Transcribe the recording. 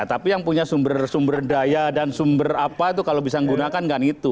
tapi yang punya sumber sumber daya dan sumber apa itu kalau bisa menggunakan kan itu